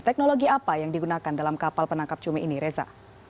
teknologi apa yang digunakan dalam kapal penangkap cumi ini reza